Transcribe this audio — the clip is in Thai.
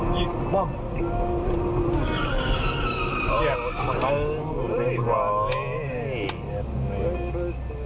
เกือบ